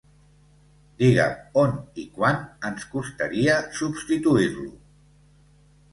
Digue"m on i quan ens costaria substituir-lo?